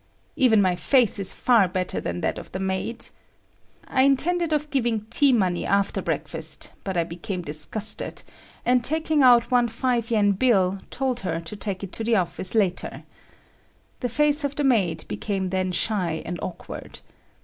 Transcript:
Even my face is far better than that of the maid. I intended of giving "tea money" after breakfast, but I became disgusted, and taking out one 5 yen bill told her to take it to the office later. The face of the maid became then shy and awkward.